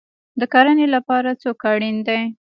د کرنې لپاره څوک اړین دی؟